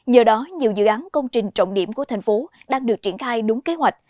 do đó nhiều dự án công trình trọng điểm của thành phố đang được triển khai đúng kế hoạch